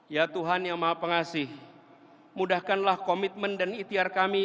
ya tuhan yang maha pengasih mudahkanlah komitmen dan ikhtiar kami